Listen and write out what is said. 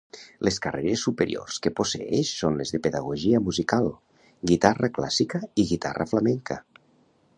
Les carreres superiors que posseeix són les de pedagogia musical, guitarra clàssica i guitarra flamenca.